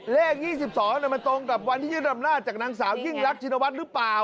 เลข๒๒มันตรงกับวันที่ยึดอำนาจจากนางสาวยิ่งรักชินวัฒน์หรือเปล่า